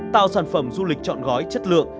tạo sản phẩm du lịch chọn gói chất lượng